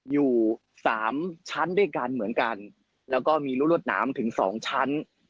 อยู่สามชั้นด้วยกันเหมือนกันแล้วก็มีรั้วรวดหนามถึงสองชั้น